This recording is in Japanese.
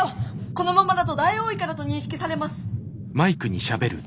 このままだとだいおういかだと認識されます！